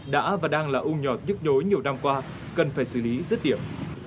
đã và đang là u nhọt dứt đối nhiều năm qua cần phải xử lý rất điểm